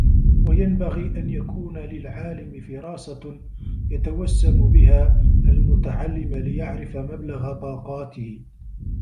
وَيَنْبَغِي أَنْ يَكُونَ لِلْعَالِمِ فِرَاسَةٌ يَتَوَسَّمُ بِهَا الْمُتَعَلِّمَ لِيَعْرِفَ مَبْلَغَ طَاقَتِهِ